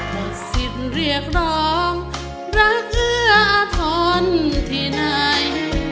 หมดสิทธิ์เรียกร้องรักเอื้ออาทรที่ไหน